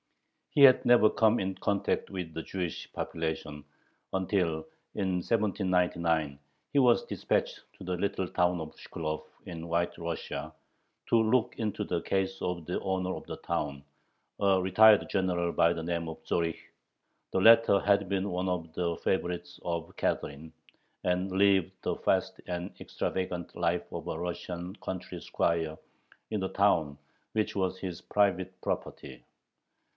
He had never come in contact with the Jewish population, until, in 1799, he was dispatched to the little town of Shklov in White Russia, to look into the case of the owner of the town, a retired general by the name of Zorich. The latter had been one of the favorites of Catherine, and lived the fast and extravagant life of a Russian country squire in the town which was his private property.